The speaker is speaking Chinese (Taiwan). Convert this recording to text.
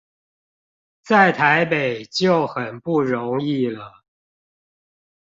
在台北就很不容易了